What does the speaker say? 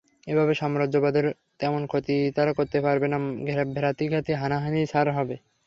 এভাবে সাম্রাজ্যবাদের তেমন ক্ষতি তারা করতে পারবে না, ভ্রাতৃঘাতী হানাহানিই সার হবে।